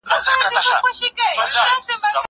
که وخت وي، کتابتون ته راځم؟